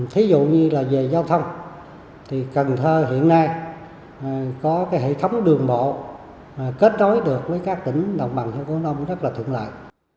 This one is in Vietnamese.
thí dụ như là về giao thông thì cần thơ hiện nay có hệ thống đường bộ kết nối được với các tỉnh đồng bằng hồ cổ nông rất là thượng lợi